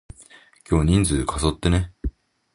今日人数過疎ってね？